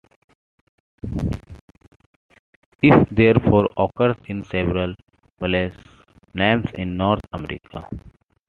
It therefore occurs in several placenames in North America.